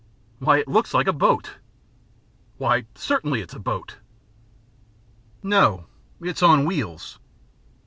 "Why it looks like a boat." "Why, certainly it's a boat." "No, it's on wheels."